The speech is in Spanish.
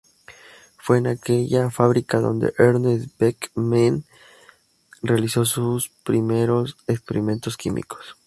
Fue en aquella fábrica donde Ernst Beckmann realizó sus primeros experimentos químicos.